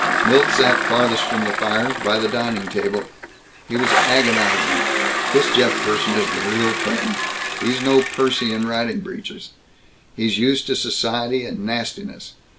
Milt sat farthest from the fire, by the dining table. He was agonizing, "This Jeff person is the real thing. He's no Percy in riding breeches. He's used to society and nastiness.